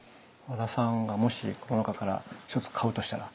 和田さんがもしこの中から１つ買うとしたら？